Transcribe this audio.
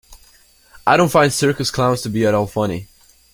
I don’t find circus clowns to be at all funny.